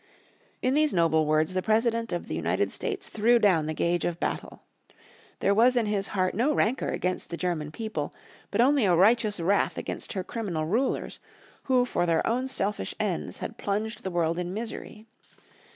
In these noble words the President of the United States threw down the gauge of battle. There was in his heart no rancour against the German people, but only a righteous wrath against her criminal rulers who for their own selfish ends had plunged the world in misery.